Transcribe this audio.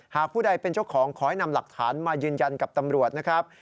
ผู้ใดเป็นเจ้าของขอให้นำหลักฐานมายืนยันกับตำรวจนะครับ